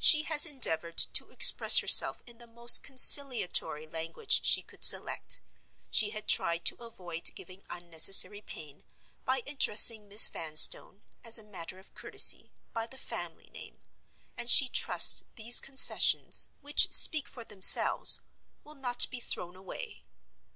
She has endeavored to express herself in the most conciliatory language she could select; she had tried to avoid giving unnecessary pain, by addressing Miss Vanstone (as a matter of courtesy) by the family name; and she trusts these concessions, which speak for themselves, will not be thrown away.